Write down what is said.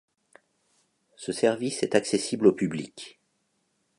Ce service est accessible au public.